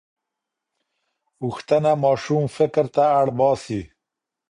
پوښتنه ماشوم فکر ته اړ باسي.